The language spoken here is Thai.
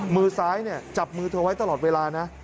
มือซ้ายจับมือเธอไว้ตลอดเวลานะ